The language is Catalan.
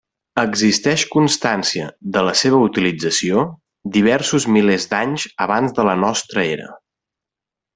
Existeix constància de la seva utilització, diversos milers d'anys abans de la nostra era.